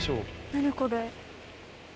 何これ？